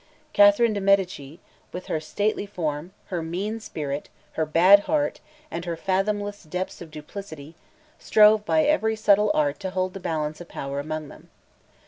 Catherine de Medicis, with her stately form, her mean spirit, her bad heart, and her fathomless depths of duplicity, strove by every subtle art to hold the balance of power among them.